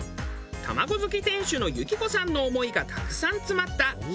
卵好き店主の幸子さんの思いがたくさん詰まったひと品。